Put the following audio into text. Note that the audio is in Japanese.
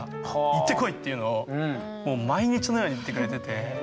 いってこい！」っていうのをもう毎日のように言ってくれてて。